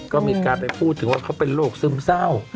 ก็มีการไปพูดถึงว่าเขาเป็นโรคซึมเศร้า